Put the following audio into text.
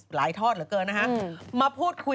ทอดเหลือเกินนะฮะมาพูดคุย